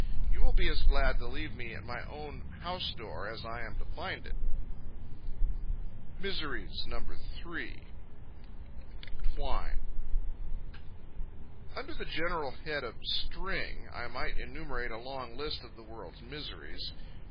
You will be as glad to leave me at my own house door, as I am to find it. MISERIES. No. 3. Twine. Under the general head of string, I might enumerate a long list of this world's miseries.